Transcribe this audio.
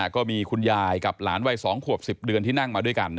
ก็มีคุณยายกับหลานวัย๒ขวบ๑๐เดือนที่นั่งมาด้วยกัน